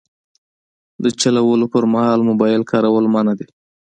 د چلولو پر مهال موبایل کارول منع دي.